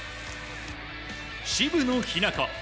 渋野日向子。